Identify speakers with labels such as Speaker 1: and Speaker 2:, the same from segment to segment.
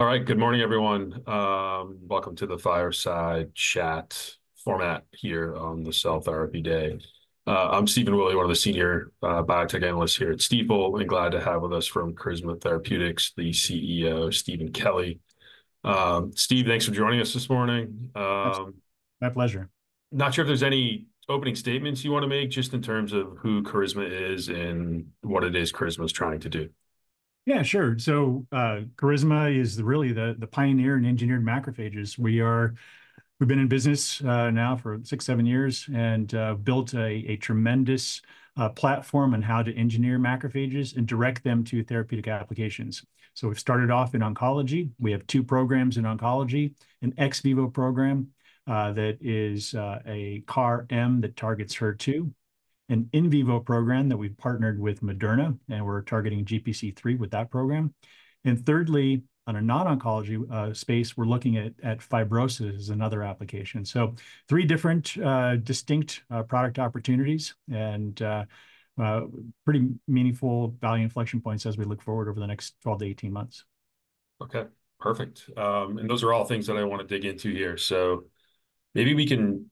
Speaker 1: All right, good morning, everyone. Welcome to the Fireside Chat format here on the Stifel Therapy Day. I'm Stephen Willey, one of the senior biotech analysts here at Stifel, and glad to have with us from Carisma Therapeutics, the CEO, Steven Kelly. Steve, thanks for joining us this morning.
Speaker 2: My pleasure.
Speaker 1: Not sure if there's any opening statements you want to make, just in terms of who Carisma is and what it is Carisma is trying to do.
Speaker 2: Yeah, sure. So Carisma is really the pioneer in engineered macrophages. We've been in business now for 6-7 years and built a tremendous platform on how to engineer macrophages and direct them to therapeutic applications. So we've started off in oncology. We have two programs in oncology, an ex vivo program that is a CAR-M that targets HER2, an in vivo program that we've partnered with Moderna, and we're targeting GPC3 with that program. And thirdly, on a non-oncology space, we're looking at fibrosis as another application. So three different distinct product opportunities and pretty meaningful value inflection points as we look forward over the next 12-18 months.
Speaker 1: Okay, perfect. Those are all things that I want to dig into here. So maybe we can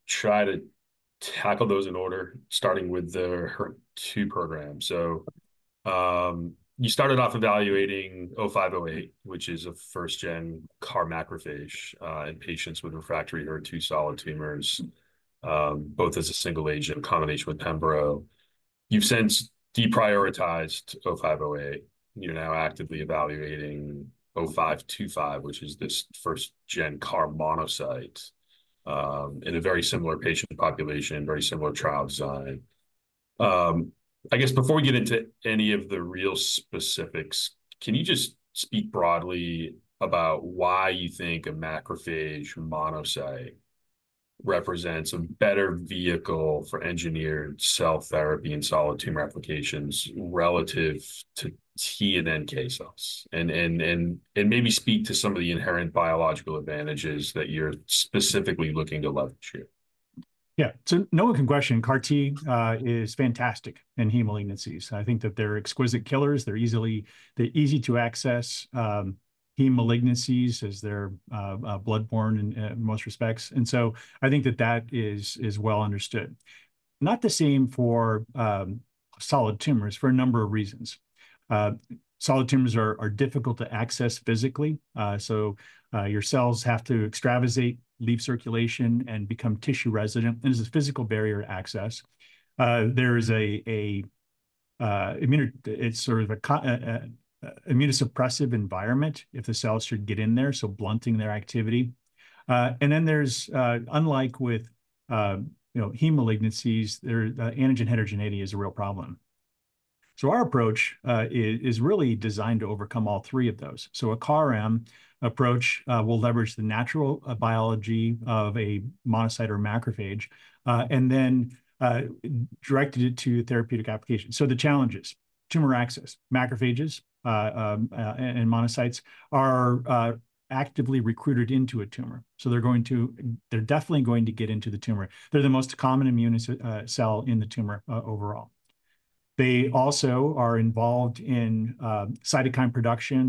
Speaker 1: try to tackle those in order, starting with the HER2 program. So you started off evaluating CT-0508, which is a first-gen CAR-Macrophage in patients with refractory HER2 solid tumors, both as a single agent in combination with Pembro. You've since deprioritized CT-0508. You're now actively evaluating CT-0525, which is this first-gen CAR-Monocyte in a very similar patient population, very similar trial design. I guess before we get into any of the real specifics, can you just speak broadly about why you think a macrophage monocyte represents a better vehicle for engineered cell therapy and solid tumor applications relative to T and NK cells? And maybe speak to some of the inherent biological advantages that you're specifically looking to leverage here.
Speaker 2: Yeah. So no one can question CAR-T is fantastic in heme malignancies. I think that they're exquisite killers. They're easy to access. Heme malignancies as they're bloodborne in most respects. And so I think that that is well understood. Not the same for solid tumors for a number of reasons. Solid tumors are difficult to access physically. So your cells have to extravasate, leave circulation, and become tissue resident. There's a physical barrier to access. There is a sort of immunosuppressive environment if the cells should get in there, so blunting their activity. And then there's, unlike with heme malignancies, antigen heterogeneity is a real problem. So our approach is really designed to overcome all three of those. So a CAR-M approach will leverage the natural biology of a monocyte or macrophage and then direct it to therapeutic application. So the challenges, tumor access, macrophages and monocytes are actively recruited into a tumor. So they're definitely going to get into the tumor. They're the most common immune cell in the tumor overall. They also are involved in cytokine production.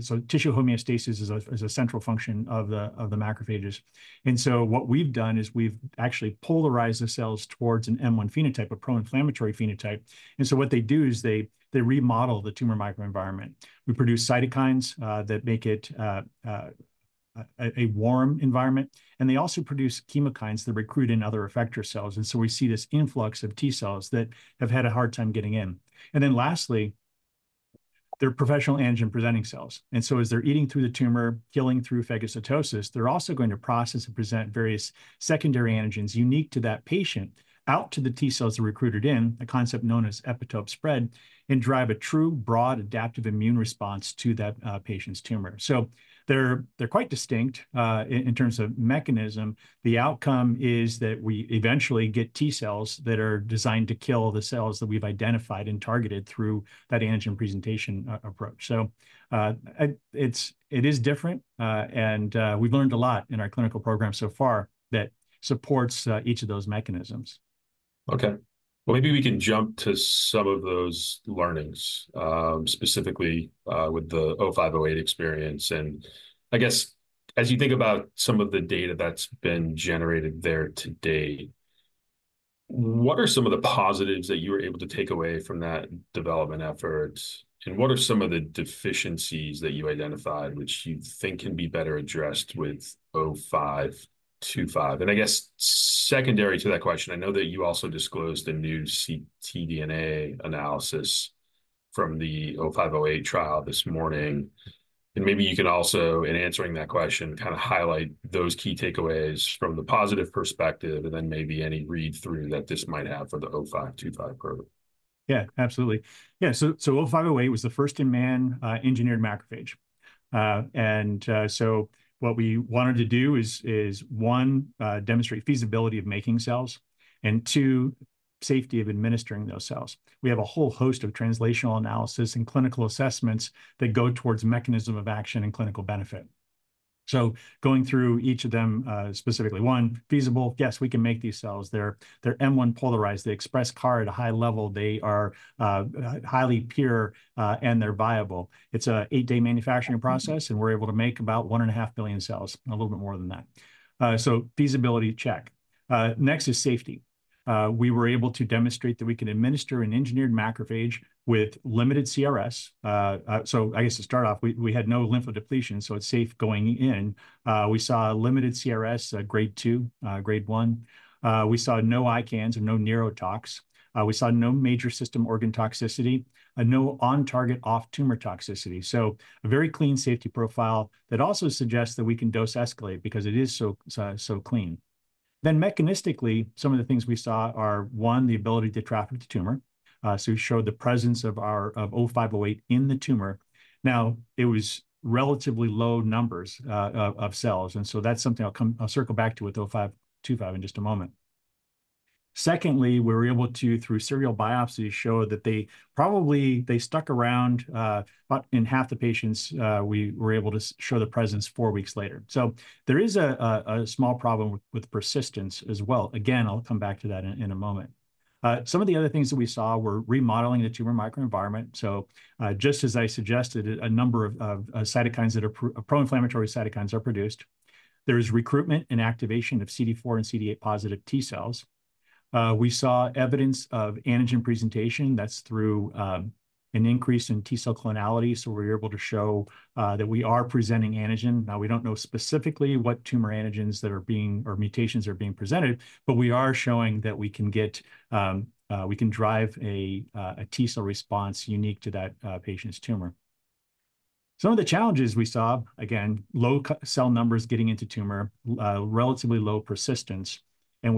Speaker 2: So tissue homeostasis is a central function of the macrophages. And so what we've done is we've actually polarized the cells towards an M1 phenotype, a pro-inflammatory phenotype. And so what they do is they remodel the tumor microenvironment. We produce cytokines that make it a warm environment. And they also produce chemokines that recruit in other effector cells. And so we see this influx of T cells that have had a hard time getting in. And then lastly, they're professional antigen presenting cells. And so as they're eating through the tumor, killing through phagocytosis, they're also going to process and present various secondary antigens unique to that patient out to the T cells that recruited in, a concept known as epitope spread, and drive a true broad adaptive immune response to that patient's tumor. So they're quite distinct in terms of mechanism. The outcome is that we eventually get T cells that are designed to kill the cells that we've identified and targeted through that antigen presentation approach. So it is different. And we've learned a lot in our clinical program so far that supports each of those mechanisms.
Speaker 1: Okay. Well, maybe we can jump to some of those learnings, specifically with the CT-0508 experience. And I guess as you think about some of the data that's been generated there to date, what are some of the positives that you were able to take away from that development effort? And what are some of the deficiencies that you identified which you think can be better addressed with CT-0525? And I guess secondary to that question, I know that you also disclosed a new ctDNA analysis from the CT-0508 trial this morning. And maybe you can also, in answering that question, kind of highlight those key takeaways from the positive perspective and then maybe any read-through that this might have for the CT-0525 program.
Speaker 2: Yeah, absolutely. Yeah. So CT-0508 was the first in-man engineered macrophage. And so what we wanted to do is, one, demonstrate feasibility of making cells, and two, safety of administering those cells. We have a whole host of translational analysis and clinical assessments that go towards mechanism of action and clinical benefit. So going through each of them specifically, one, feasible. Yes, we can make these cells. They're M1 polarized. They express CAR at a high level. They are highly pure and they're viable. It's an 8-day manufacturing process, and we're able to make about 1.5 billion cells, a little bit more than that. So feasibility check. Next is safety. We were able to demonstrate that we can administer an engineered macrophage with limited CRS. So I guess to start off, we had no lymphodepletion, so it's safe going in. We saw limited CRS, grade 2, grade 1. We saw no ICANS and no neurotoxicity. We saw no major systemic organ toxicity and no on-target, off-tumor toxicity. So a very clean safety profile that also suggests that we can dose escalate because it is so clean. Then mechanistically, some of the things we saw are, one, the ability to traffic to the tumor. So we showed the presence of CT-0508 in the tumor. Now, it was relatively low numbers of cells. And so that's something I'll circle back to with CT-0525 in just a moment. Secondly, we were able to, through serial biopsies, show that they probably stuck around in half the patients. We were able to show the presence four weeks later. So there is a small problem with persistence as well. Again, I'll come back to that in a moment. Some of the other things that we saw were remodeling the tumor microenvironment. So just as I suggested, a number of cytokines that are pro-inflammatory cytokines are produced. There is recruitment and activation of CD4 and CD8 positive T cells. We saw evidence of antigen presentation. That's through an increase in T cell clonality. So we're able to show that we are presenting antigen. Now, we don't know specifically what tumor antigens that are being or mutations are being presented, but we are showing that we can drive a T cell response unique to that patient's tumor. Some of the challenges we saw, again, low cell numbers getting into tumor, relatively low persistence. And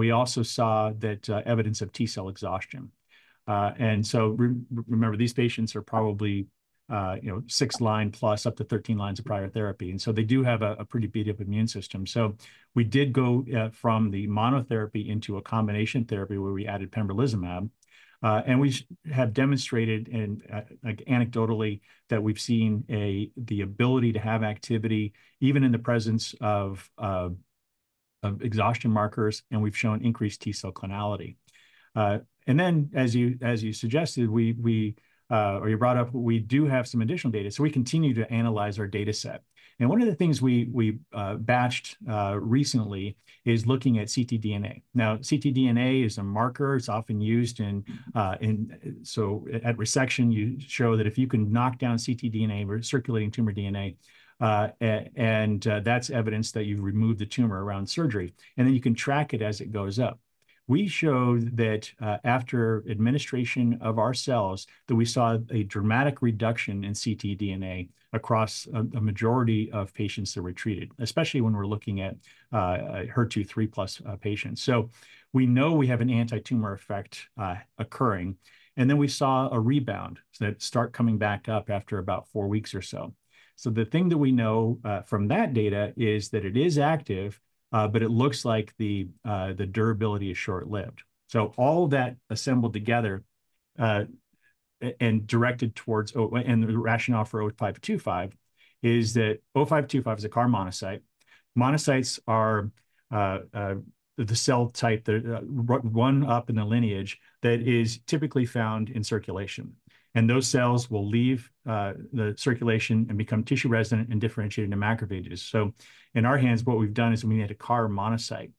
Speaker 2: so remember, these patients are probably 6 lines plus up to 13 lines of prior therapy. And so they do have a pretty beat-up immune system. We did go from the monotherapy into a combination therapy where we added pembrolizumab. We have demonstrated anecdotally that we've seen the ability to have activity even in the presence of exhaustion markers, and we've shown increased T cell clonality. Then, as you suggested, or you brought up, we do have some additional data. We continue to analyze our data set. One of the things we batched recently is looking at ctDNA. Now, ctDNA is a marker. It's often used in so at resection, you show that if you can knock down ctDNA or circulating tumor DNA, and that's evidence that you've removed the tumor around surgery. Then you can track it as it goes up. We showed that after administration of our cells, that we saw a dramatic reduction in ctDNA across a majority of patients that were treated, especially when we're looking at HER2 3+ patients. So we know we have an anti-tumor effect occurring. And then we saw a rebound that started coming back up after about four weeks or so. So the thing that we know from that data is that it is active, but it looks like the durability is short-lived. So all that assembled together and directed towards the rationale for CT-0525 is that CT-0525 is a CAR-Monocyte. Monocytes are the cell type that run up in the lineage that is typically found in circulation. And those cells will leave the circulation and become tissue resident and differentiate into macrophages. So in our hands, what we've done is we made a CAR-Monocyte.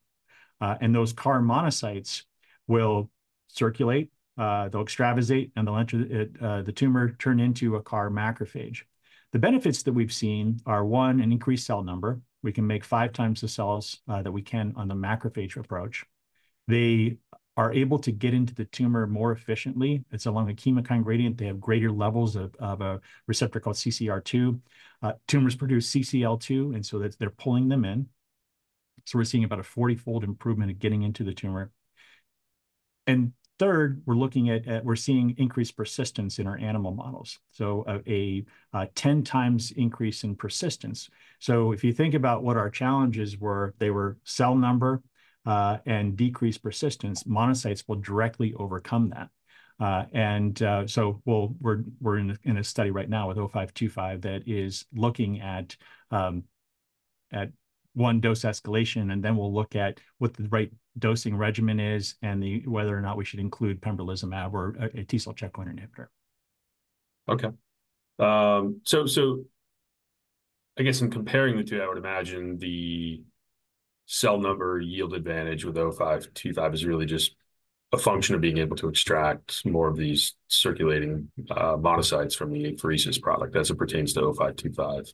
Speaker 2: And those CAR-Monocytes will circulate. They'll extravasate, and the tumor will turn into a CAR-Macrophage. The benefits that we've seen are, one, an increased cell number. We can make 5x the cells that we can on the macrophage approach. They are able to get into the tumor more efficiently. It's along a chemokine gradient. They have greater levels of a receptor called CCR2. Tumors produce CCL2, and so they're pulling them in. So we're seeing about a 40-fold improvement in getting into the tumor. And third, we're looking at we're seeing increased persistence in our animal models. So a 10x increase in persistence. So if you think about what our challenges were, they were cell number and decreased persistence. Monocytes will directly overcome that. So we're in a study right now with CT-0525 that is looking at one dose escalation, and then we'll look at what the right dosing regimen is and whether or not we should include pembrolizumab or a T cell checkpoint inhibitor.
Speaker 1: Okay. So I guess in comparing the two, I would imagine the cell number yield advantage with CT-0525 is really just a function of being able to extract more of these circulating monocytes from the apheresis product as it pertains to CT-0525.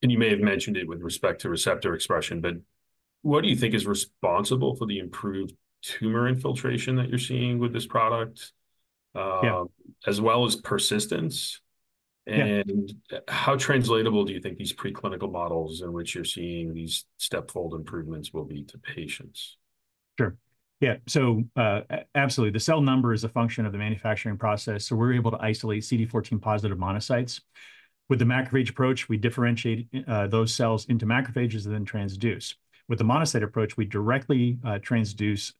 Speaker 1: And you may have mentioned it with respect to receptor expression, but what do you think is responsible for the improved tumor infiltration that you're seeing with this product, as well as persistence? And how translatable do you think these preclinical models in which you're seeing these step-fold improvements will be to patients?
Speaker 2: Sure. Yeah. So absolutely. The cell number is a function of the manufacturing process. So we're able to isolate CD14+ monocytes. With the macrophage approach, we differentiate those cells into macrophages and then transduce. With the monocyte approach, we directly transduce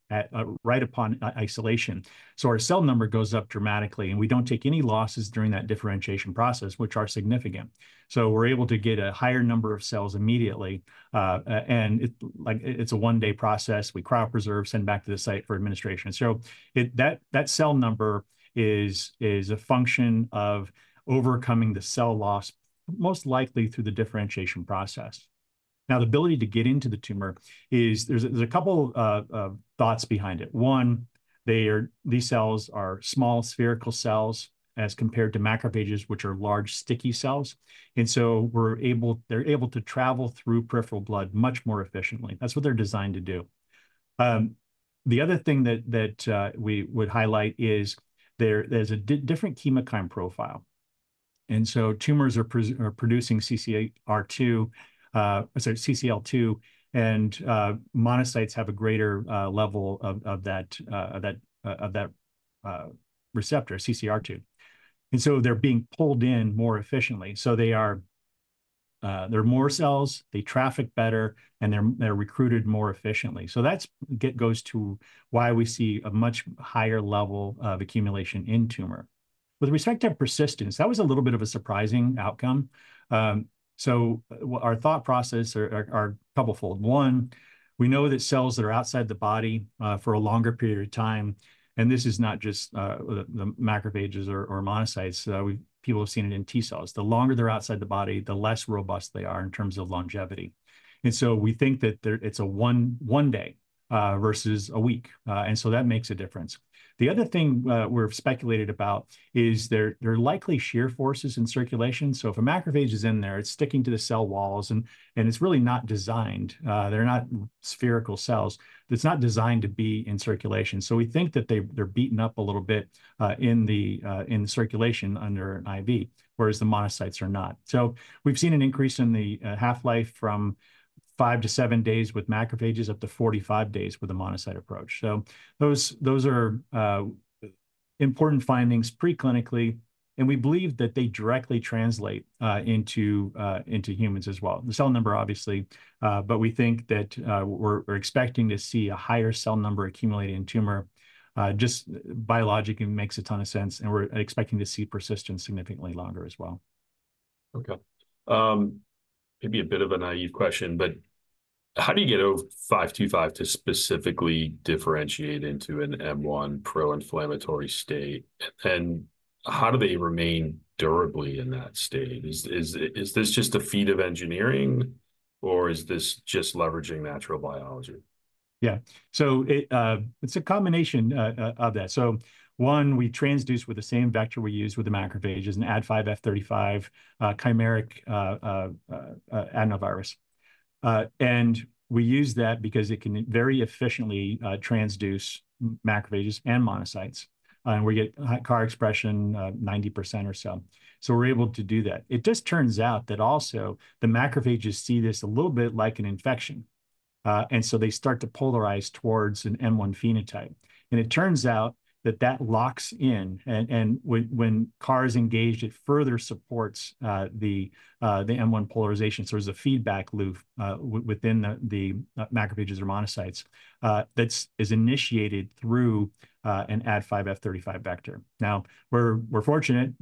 Speaker 2: right upon isolation. So our cell number goes up dramatically, and we don't take any losses during that differentiation process, which are significant. So we're able to get a higher number of cells immediately. And it's a one-day process. We cryopreserve, send back to the site for administration. So that cell number is a function of overcoming the cell loss, most likely through the differentiation process. Now, the ability to get into the tumor is, there's a couple of thoughts behind it. One, these cells are small spherical cells as compared to macrophages, which are large sticky cells. And so they're able to travel through peripheral blood much more efficiently. That's what they're designed to do. The other thing that we would highlight is there's a different chemokine profile. And so tumors are producing CCL2, and monocytes have a greater level of that receptor, CCR2. And so they're being pulled in more efficiently. So they're more cells, they traffic better, and they're recruited more efficiently. So that goes to why we see a much higher level of accumulation in tumor. With respect to persistence, that was a little bit of a surprising outcome. So our thought process are a couple fold. One, we know that cells that are outside the body for a longer period of time, and this is not just the macrophages or monocytes. People have seen it in T cells. The longer they're outside the body, the less robust they are in terms of longevity. We think that it's a one day versus a week. That makes a difference. The other thing we've speculated about is there are likely shear forces in circulation. So if a macrophage is in there, it's sticking to the cell walls, and it's really not designed. They're not spherical cells. It's not designed to be in circulation. So we think that they're beaten up a little bit in the circulation under IV, whereas the monocytes are not. So we've seen an increase in the half-life from five to seven days with macrophages up to 45 days with a monocyte approach. So those are important findings preclinically. We believe that they directly translate into humans as well. The cell number, obviously, but we think that we're expecting to see a higher cell number accumulating in tumor. Just biologically makes a ton of sense, and we're expecting to see persistence significantly longer as well.
Speaker 1: Okay. Maybe a bit of a naive question, but how do you get CT-0525 to specifically differentiate into an M1 pro-inflammatory state? And how do they remain durably in that state? Is this just a feat of engineering, or is this just leveraging natural biology?
Speaker 2: Yeah. So it's a combination of that. So one, we transduce with the same vector we use with the macrophages and Ad5F35 chimeric adenovirus. And we use that because it can very efficiently transduce macrophages and monocytes. And we get high CAR expression, 90% or so. So we're able to do that. It just turns out that also the macrophages see this a little bit like an infection. And so they start to polarize towards an M1 phenotype. And it turns out that that locks in. And when CAR is engaged, it further supports the M1 polarization. So there's a feedback loop within the macrophages or monocytes that is initiated through an Ad5F35 vector. Now, we're fortunate.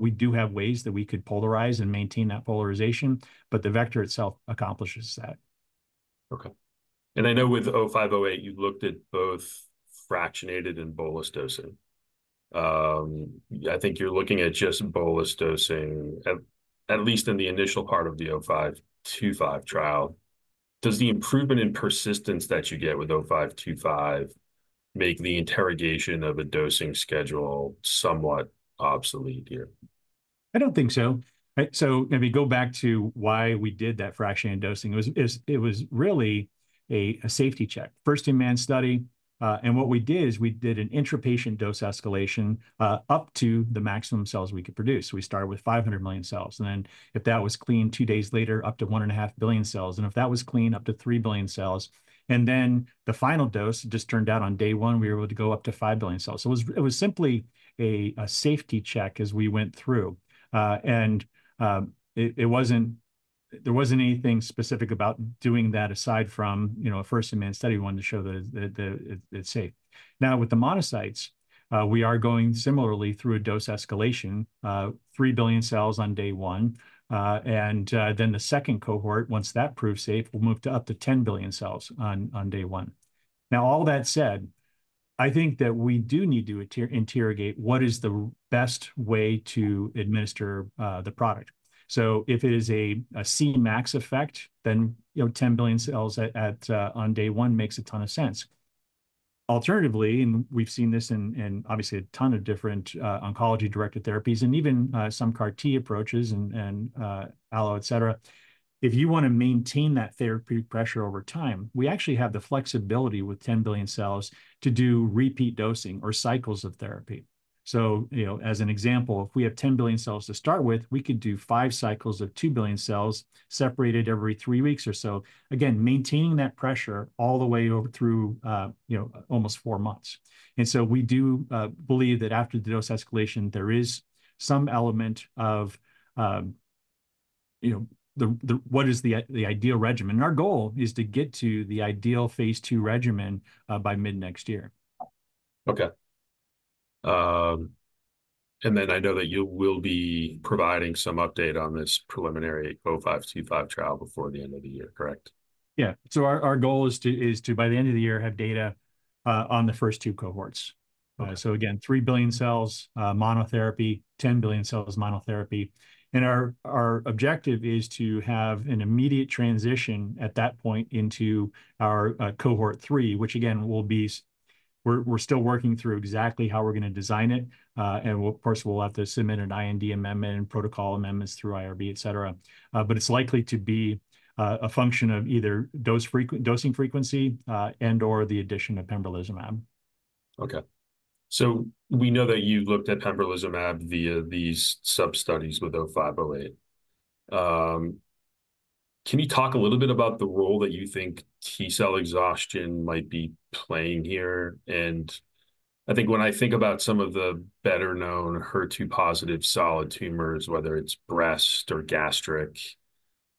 Speaker 2: We do have ways that we could polarize and maintain that polarization, but the vector itself accomplishes that.
Speaker 1: Okay. And I know with CT-0508, you looked at both fractionated and bolus dosing. I think you're looking at just bolus dosing, at least in the initial part of the CT-0525 trial. Does the improvement in persistence that you get with CT-0525 make the interrogation of a dosing schedule somewhat obsolete here?
Speaker 2: I don't think so. So maybe go back to why we did that fractionated dosing. It was really a safety check, first-in-man study. And what we did is we did an intrapatient dose escalation up to the maximum cells we could produce. We started with 500 million cells. And then if that was clean two days later, up to 1.5 billion cells. And if that was clean, up to 3 billion cells. And then the final dose just turned out on day one, we were able to go up to 5 billion cells. So it was simply a safety check as we went through. And there wasn't anything specific about doing that aside from a first-in-man study wanting to show that it's safe. Now, with the monocytes, we are going similarly through a dose escalation, 3 billion cells on day one. And then the second cohort, once that proves safe, will move to up to 10 billion cells on day one. Now, all that said, I think that we do need to interrogate what is the best way to administer the product. So if it is a Cmax effect, then 10 billion cells on day one makes a ton of sense. Alternatively, and we've seen this in obviously a ton of different oncology-directed therapies and even some CAR-T approaches and allo etc., if you want to maintain that therapeutic pressure over time, we actually have the flexibility with 10 billion cells to do repeat dosing or cycles of therapy. So as an example, if we have 10 billion cells to start with, we could do five cycles of 2 billion cells separated every three weeks or so, again, maintaining that pressure all the way through almost four months. We do believe that after the dose escalation, there is some element of what is the ideal regimen. Our goal is to get to the ideal phase two regimen by mid-next year.
Speaker 1: Okay. And then I know that you will be providing some update on this preliminary CT-0525 trial before the end of the year, correct?
Speaker 2: Yeah. So our goal is to, by the end of the year, have data on the first two cohorts. So again, 3 billion cells monotherapy, 10 billion cells monotherapy. And our objective is to have an immediate transition at that point into our cohort 3, which again, we're still working through exactly how we're going to design it. And of course, we'll have to submit an IND amendment and protocol amendments through IRB, etc. But it's likely to be a function of either dosing frequency and/or the addition of pembrolizumab.
Speaker 1: Okay. So we know that you've looked at pembrolizumab via these sub-studies with CT-0508. Can you talk a little bit about the role that you think T cell exhaustion might be playing here? And I think when I think about some of the better-known HER2-positive solid tumors, whether it's breast or gastric,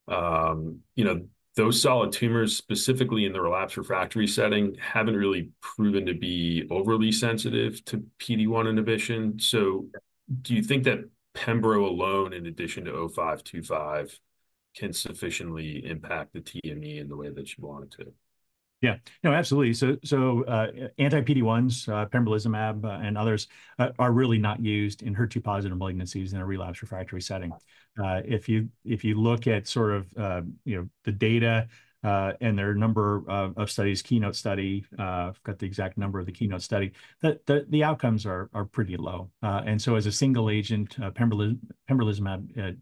Speaker 1: those solid tumors specifically in the relapse refractory setting haven't really proven to be overly sensitive to PD-1 inhibition. So do you think that pembro alone, in addition to CT-0525, can sufficiently impact the TME in the way that you want it to?
Speaker 2: Yeah. No, absolutely. So anti-PD-1s, pembrolizumab, and others are really not used Enhertu positive malignancies in a relapse refractory setting. If you look at sort of the data and there are a number of studies, KEYNOTE study, I've got the exact number of the KEYNOTE study, the outcomes are pretty low. And so as a single agent, pembrolizumab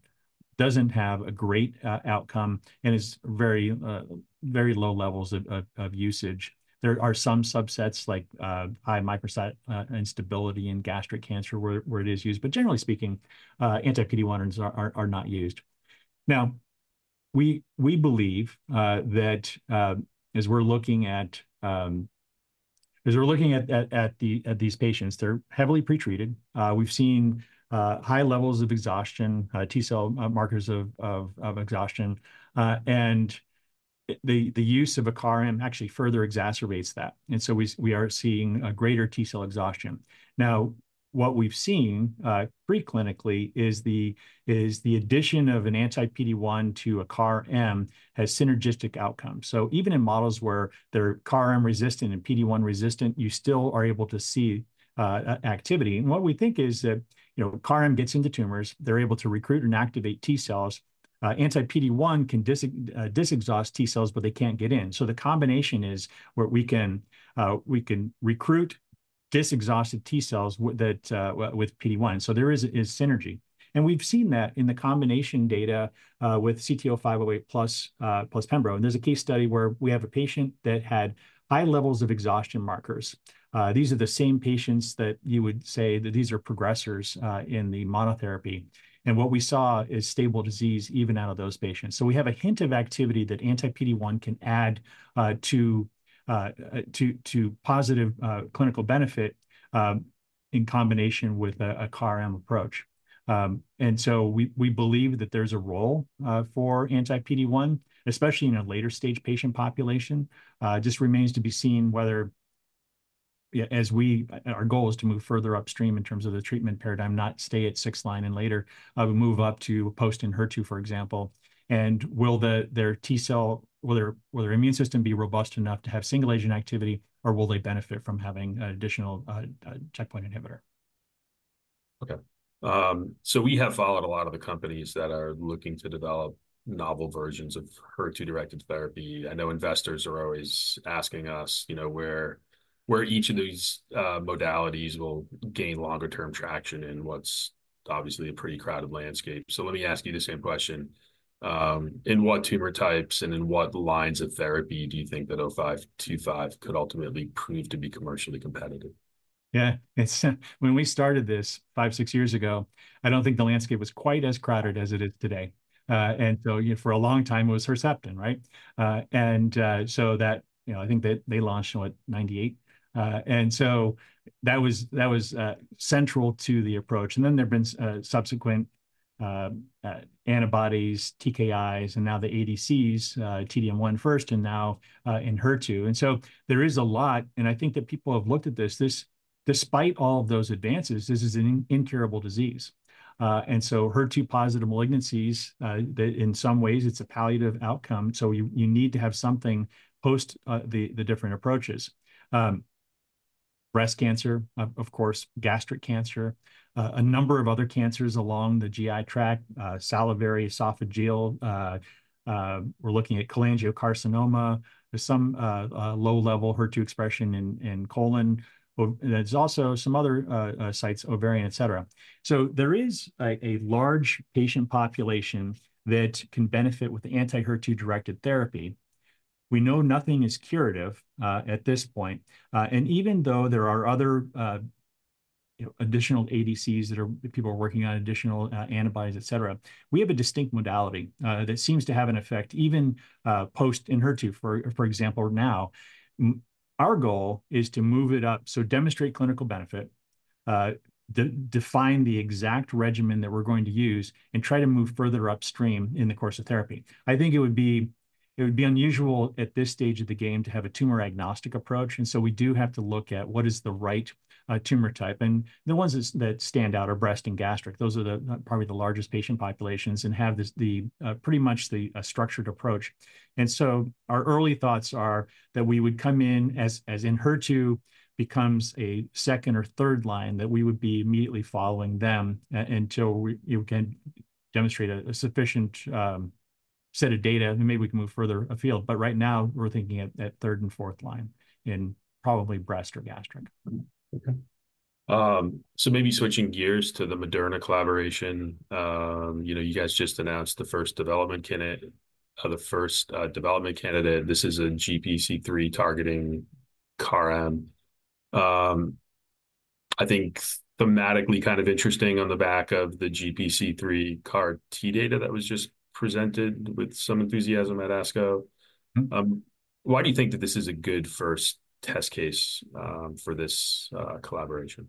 Speaker 2: doesn't have a great outcome and is very low levels of usage. There are some subsets like high microsatellite instability in gastric cancer where it is used. But generally speaking, anti-PD-1s are not used. Now, we believe that as we're looking at these patients, they're heavily pretreated. We've seen high levels of exhaustion, T cell markers of exhaustion. And the use of a CAR-M actually further exacerbates that. And so we are seeing a greater T cell exhaustion. Now, what we've seen preclinically is the addition of an anti-PD-1 to a CAR-M has synergistic outcomes. So even in models where they're CAR-M resistant and PD-1 resistant, you still are able to see activity. And what we think is that CAR-M gets into tumors, they're able to recruit and activate T cells. Anti-PD-1 can disexhaust T cells, but they can't get in. So the combination is where we can recruit disexhausted T cells with PD-1. So there is synergy. And we've seen that in the combination data with CT-0508+ pembro. And there's a case study where we have a patient that had high levels of exhaustion markers. These are the same patients that you would say that these are progressors in the monotherapy. And what we saw is stable disease even out of those patients. So we have a hint of activity that anti-PD-1 can add to positive clinical benefit in combination with a CAR-M approach. And so we believe that there's a role for anti-PD-1, especially in a later stage patient population. Just remains to be seen whether our goal is to move further upstream in terms of the treatment paradigm, not stay at sixth-line and later move up to post-anti-HER2, for example. And will their T cell, will their immune system be robust enough to have single agent activity, or will they benefit from having an additional checkpoint inhibitor?
Speaker 1: Okay. So we have followed a lot of the companies that are looking to develop novel versions of HER2-directed therapy. I know investors are always asking us where each of these modalities will gain longer-term traction in what's obviously a pretty crowded landscape. So let me ask you the same question. In what tumor types and in what lines of therapy do you think that CT-0525 could ultimately prove to be commercially competitive?
Speaker 2: Yeah. When we started this 5, 6 years ago, I don't think the landscape was quite as crowded as it is today. For a long time, it was Herceptin, right? I think they launched in what, 1998? That was central to the approach. Then there have been subsequent antibodies, TKIs, and now the ADCs, T-DM1 first, and now Enhertu. There is a lot, and I think that people have looked at this. Despite all of those advances, this is an incurable disease. HER2+ malignancies, in some ways, it's a palliative outcome. You need to have something post the different approaches. Breast cancer, of course, gastric cancer, a number of other cancers along the GI tract, salivary, esophageal. We're looking at cholangiocarcinoma. There's some low-level HER2 expression in colon. There's also some other sites, ovarian, etc. There is a large patient population that can benefit with anti-HER2-directed therapy. We know nothing is curative at this point. Even though there are other additional ADCs that people are working on, additional antibodies, etc., we have a distinct modality that seems to have an effect even post-HER2, for example, now. Our goal is to move it up, so demonstrate clinical benefit, define the exact regimen that we're going to use, and try to move further upstream in the course of therapy. I think it would be unusual at this stage of the game to have a tumor-agnostic approach. So we do have to look at what is the right tumor type. And the ones that stand out are breast and gastric. Those are probably the largest patient populations and have pretty much the structured approach. And so our early thoughts are that we would come in as Enhertu becomes a second or third line that we would be immediately following them until we can demonstrate a sufficient set of data, and maybe we can move further afield. But right now, we're thinking at third and fourth line in probably breast or gastric.
Speaker 1: Okay. So maybe switching gears to the Moderna collaboration. You guys just announced the first development candidate, the first development candidate. This is a GPC3 targeting CAR-M. I think thematically kind of interesting on the back of the GPC3 CAR-T data that was just presented with some enthusiasm at ASCO. Why do you think that this is a good first test case for this collaboration?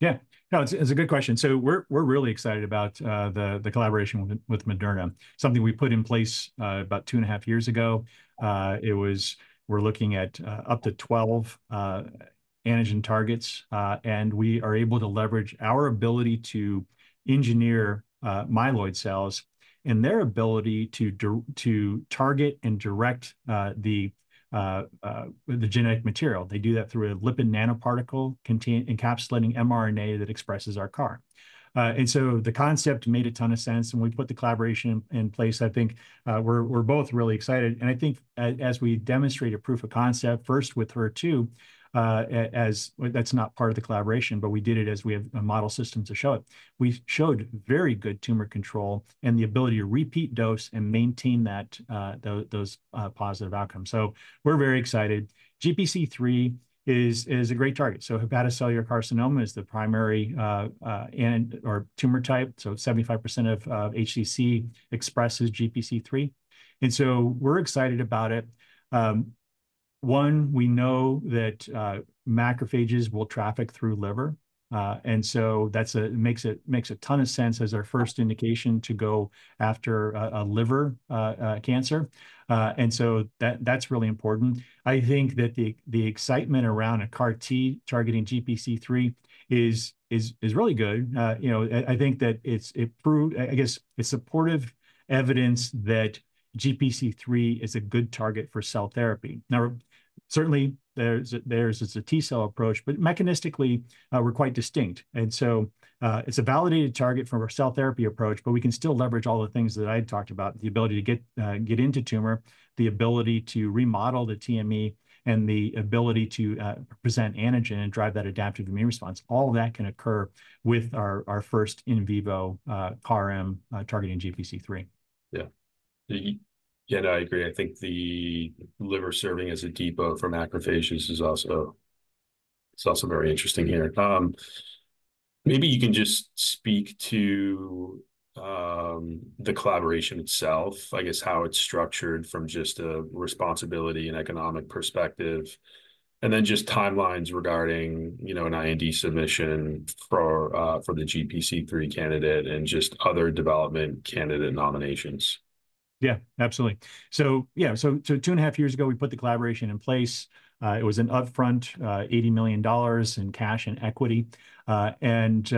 Speaker 2: Yeah. No, it's a good question. So we're really excited about the collaboration with Moderna, something we put in place about two and a half years ago. We're looking at up to 12 antigen targets, and we are able to leverage our ability to engineer myeloid cells and their ability to target and direct the genetic material. They do that through a lipid nanoparticle encapsulating mRNA that expresses our CAR-M. And so the concept made a ton of sense, and we put the collaboration in place. I think we're both really excited. And I think as we demonstrate a proof of concept first with HER2, that's not part of the collaboration, but we did it as we have a model system to show it. We showed very good tumor control and the ability to repeat dose and maintain those positive outcomes. So we're very excited. GPC3 is a great target. Hepatocellular carcinoma is the primary tumor type. 75% of HCC expresses GPC3. We're excited about it. One, we know that macrophages will traffic through liver. That makes a ton of sense as our first indication to go after a liver cancer. That's really important. I think that the excitement around a CAR-T targeting GPC3 is really good. I think that it's, I guess, it's supportive evidence that GPC3 is a good target for cell therapy. Now, certainly, there's a T cell approach, but mechanistically, we're quite distinct. It's a validated target for our cell therapy approach, but we can still leverage all the things that I had talked about, the ability to get into tumor, the ability to remodel the TME, and the ability to present antigen and drive that adaptive immune response. All of that can occur with our first in vivo CAR-M targeting GPC3.
Speaker 1: Yeah. Yeah, no, I agree. I think the liver serving as a depot for macrophages is also very interesting here. Maybe you can just speak to the collaboration itself, I guess, how it's structured from just a responsibility and economic perspective, and then just timelines regarding an IND submission for the GPC3 candidate and just other development candidate nominations.
Speaker 2: Yeah, absolutely. So yeah, so 2.5 years ago, we put the collaboration in place. It was an upfront $80 million in cash and equity. And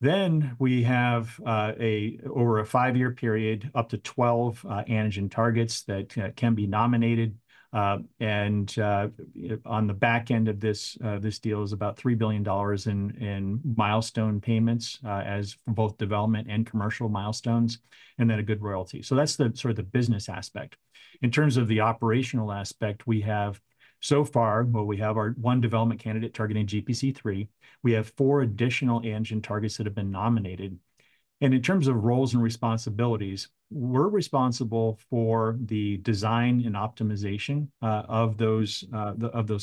Speaker 2: then we have over a 5-year period, up to 12 antigen targets that can be nominated. And on the back end of this deal is about $3 billion in milestone payments as both development and commercial milestones, and then a good royalty. So that's the sort of the business aspect. In terms of the operational aspect, we have so far, well, we have our one development candidate targeting GPC3. We have four additional antigen targets that have been nominated. And in terms of roles and responsibilities, we're responsible for the design and optimization of those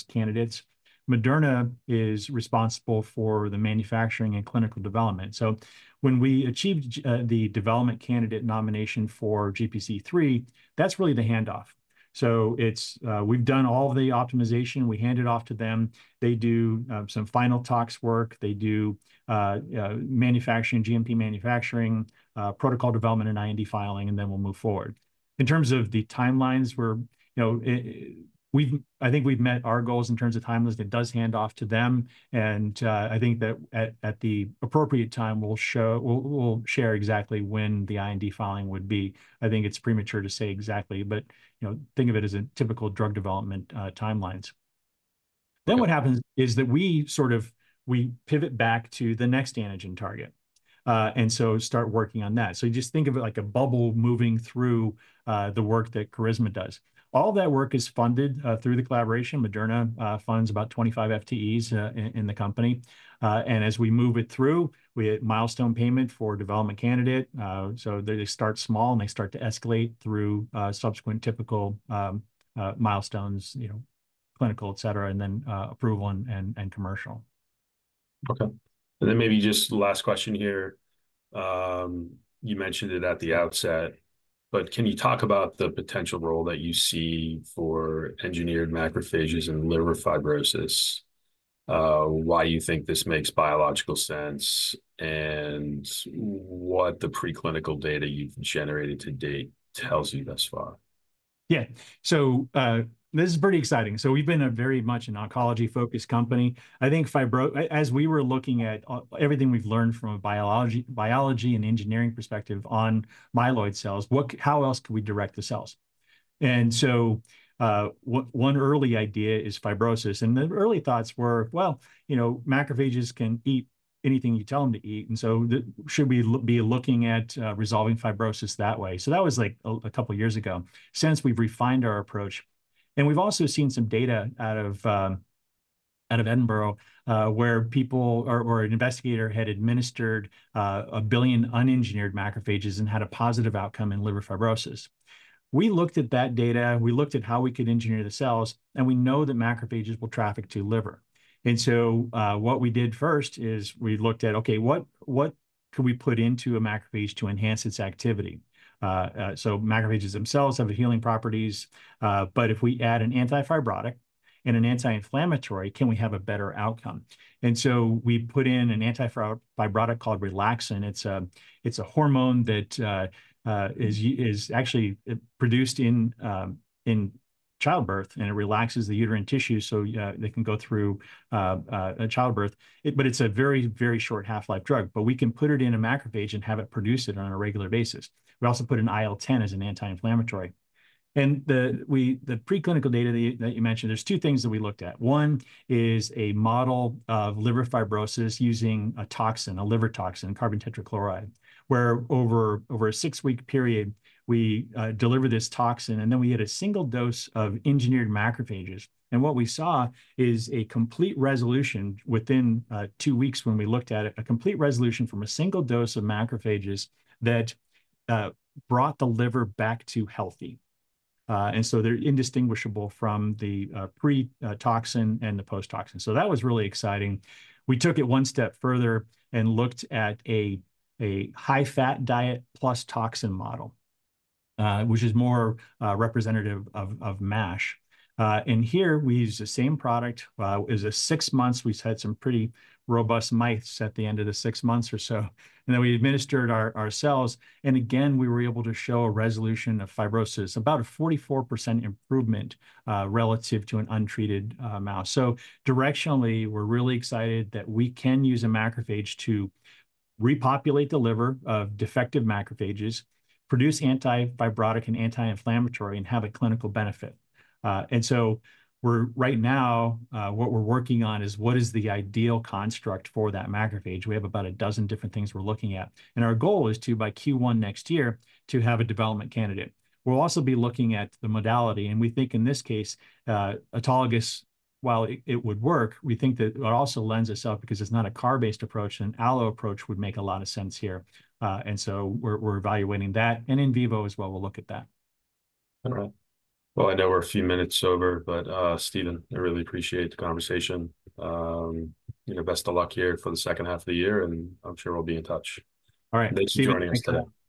Speaker 2: candidates. Moderna is responsible for the manufacturing and clinical development. So when we achieved the development candidate nomination for GPC3, that's really the handoff. So we've done all the optimization. We hand it off to them. They do some final talks work. They do manufacturing, GMP manufacturing, protocol development, and IND filing, and then we'll move forward. In terms of the timelines, I think we've met our goals in terms of timelines. It does hand off to them. And I think that at the appropriate time, we'll share exactly when the IND filing would be. I think it's premature to say exactly, but think of it as typical drug development timelines. Then what happens is that we sort of pivot back to the next antigen target and so start working on that. So just think of it like a bubble moving through the work that Carisma does. All that work is funded through the collaboration. Moderna funds about 25 FTEs in the company. As we move it through, we get milestone payment for development candidate. They start small and they start to escalate through subsequent typical milestones, clinical, etc., and then approval and commercial.
Speaker 1: Okay. And then maybe just last question here. You mentioned it at the outset, but can you talk about the potential role that you see for engineered macrophages and liver fibrosis, why you think this makes biological sense, and what the preclinical data you've generated to date tells you thus far?
Speaker 2: Yeah. So this is pretty exciting. So we've been very much an oncology-focused company. I think as we were looking at everything we've learned from a biology and engineering perspective on myeloid cells, how else can we direct the cells? And so one early idea is fibrosis. And the early thoughts were, well, macrophages can eat anything you tell them to eat. And so should we be looking at resolving fibrosis that way? So that was like a couple of years ago. Since we've refined our approach, and we've also seen some data out of Edinburgh where an investigator had administered 1 billion unengineered macrophages and had a positive outcome in liver fibrosis. We looked at that data. We looked at how we could engineer the cells, and we know that macrophages will traffic to liver. And so what we did first is we looked at, okay, what can we put into a macrophage to enhance its activity? So macrophages themselves have healing properties, but if we add an antifibrotic and an anti-inflammatory, can we have a better outcome? And so we put in an antifibrotic called relaxin. It's a hormone that is actually produced in childbirth, and it relaxes the uterine tissue so they can go through a childbirth. But it's a very, very short half-life drug. But we can put it in a macrophage and have it produce it on a regular basis. We also put in IL-10 as an anti-inflammatory. And the preclinical data that you mentioned, there's two things that we looked at. One is a model of liver fibrosis using a toxin, a liver toxin, carbon tetrachloride, where over a six-week period, we deliver this toxin, and then we had a single dose of engineered macrophages. What we saw is a complete resolution within two weeks when we looked at it, a complete resolution from a single dose of macrophages that brought the liver back to healthy. So they're indistinguishable from the pre-toxin and the post-toxin. That was really exciting. We took it one step further and looked at a high-fat diet plus toxin model, which is more representative of MASH. Here, we used the same product. It was six months. We had some pretty robust mice at the end of the six months or so. Then we administered our cells. And again, we were able to show a resolution of fibrosis, about a 44% improvement relative to an untreated mouse. So directionally, we're really excited that we can use a macrophage to repopulate the liver of defective macrophages, produce antifibrotic and anti-inflammatory, and have a clinical benefit. And so right now, what we're working on is what is the ideal construct for that macrophage. We have about a dozen different things we're looking at. And our goal is to, by Q1 next year, have a development candidate. We'll also be looking at the modality. And we think in this case, autologous, while it would work, we think that it also lends itself because it's not a CAR-based approach. An allo approach would make a lot of sense here. And so we're evaluating that. And in vivo as well, we'll look at that.
Speaker 1: All right. Well, I know we're a few minutes over, but Steven, I really appreciate the conversation. Best of luck here for the second half of the year, and I'm sure we'll be in touch.
Speaker 2: All right. Thank you for having us today.